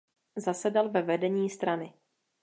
Zasedal ve vedení strany.